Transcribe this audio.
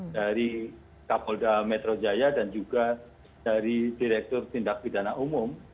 jadi kapolda metro jaya dan juga dari direktur tindak bidana umum